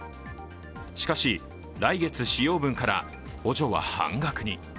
しかし来月使用分から補助は半額に。